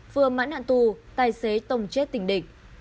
vừa mãn nạn tù tài xế tông chết tình địch